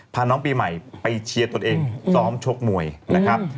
พาน้องปีใหม่ไปเชียร์ตนเองซ้อมชกมวยนะครับ